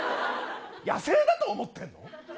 野生だと思ってんの。